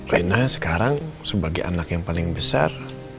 rena sekarang sebagai anak yang paling besar